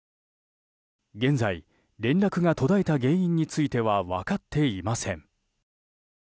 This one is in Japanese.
現在、連絡が途絶えた原因については分かっていません。